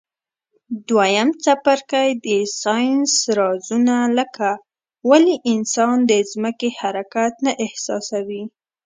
دویم څپرکی د ساینس رازونه لکه ولي انسان د ځمکي حرکت نه احساسوي.